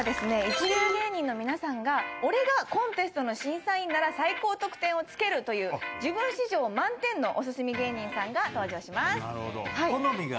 一流芸人の皆さんが俺がコンテストの審査員なら最高得点をつけるという自分史上満点のおすすめ芸人さんが登場します。